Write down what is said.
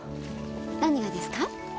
何がですか？